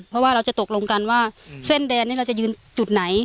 เพราะว่าเราจะตกลงกันว่าเส้นแดนนี้เราจะยืนจุดไหน